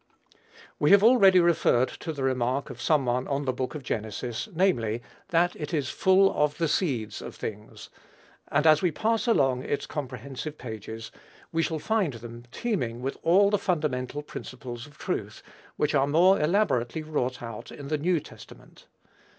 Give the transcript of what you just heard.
We have already referred to the remark of some one on the book of Genesis, namely, that it is "full of the seeds of things;" and as we pass along its comprehensive pages, we shall find them teeming with all the fundamental principles of truth, which are more elaborately wrought out in the New Testament.